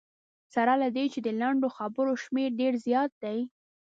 سره له دې چې د لنډو خبرو شمېر ډېر زیات دی.